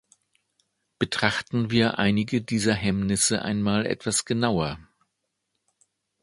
Betrachten wir einige dieser Hemmnisse einmal etwas genauer.